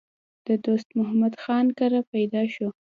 د دوست محمد خان کره پېدا شو